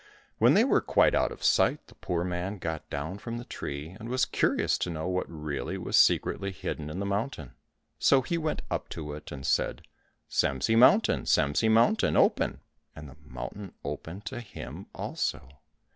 When they were quite out of sight the poor man got down from the tree, and was curious to know what really was secretly hidden in the mountain. So he went up to it and said, "Semsi mountain, Semsi mountain, open," and the mountain opened to him also.